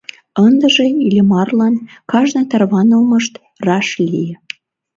Ындыже Иллимарлан кажне тарванылмышт раш ыле.